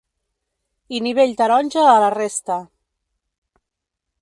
I nivell taronja a la resta.